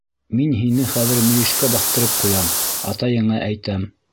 Мин һине хәҙер мөйөшкә баҫтырып ҡуям, атайыңа әйтәм!